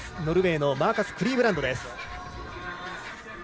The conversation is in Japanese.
ノルウェーのマーカス・クリーブランドです。